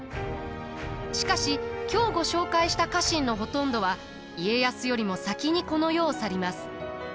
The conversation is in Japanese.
しかし今日ご紹介した家臣のほとんどは家康よりも先にこの世を去ります。